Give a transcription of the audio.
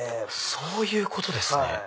そういうことですね。